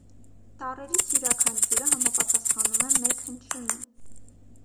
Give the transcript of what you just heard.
Տառերից յուրաքանչյուրը համապատասխանում է մեկ հնչյունի։